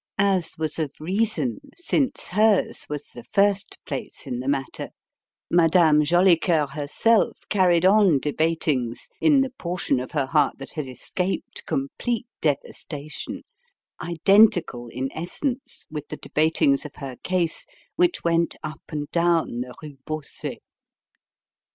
As was of reason, since hers was the first place in the matter, Madame Jolicoeur herself carried on debatings in the portion of her heart that had escaped complete devastation identical in essence with the debatings of her case which went up and down the Rue Bausset.